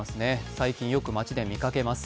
最近よく街で見かけます。